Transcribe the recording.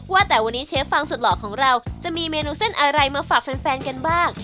ว่าแต่วันนี้เชฟฟังสุดหล่อของเราจะมีเมนูเส้นอะไรมาฝากแฟนกันบ้าง